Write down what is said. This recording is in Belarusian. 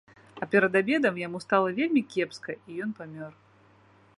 А перад абедам яму стала вельмі кепска, і ён памёр.